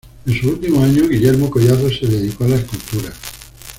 En sus últimos años Guillermo Collazo se dedicó a la escultura.